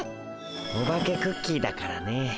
お化けクッキーだからね。